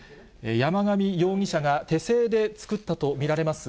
山上容疑者が手製で作ったと見られます